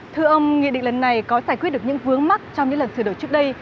thưa ông nghị định lần này có giải quyết được những vướng mắt trong những lần sửa đổi trước đây